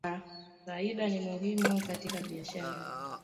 Faida ni muhimu katika biashara